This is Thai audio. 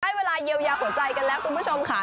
เวลาเยียวยาหัวใจกันแล้วคุณผู้ชมค่ะ